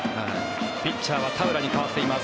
ピッチャーは田浦に代わっています。